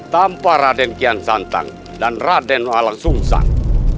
tanpa raden kian santang dan raden walang sungsang